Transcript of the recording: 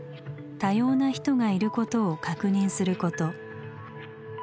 「多様な人がいる」ことを確認すること。